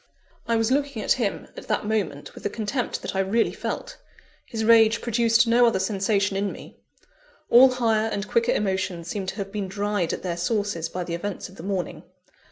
I was looking at him, at that moment, with the contempt that I really felt; his rage produced no other sensation in me. All higher and quicker emotions seemed to have been dried at their sources by the events of the morning.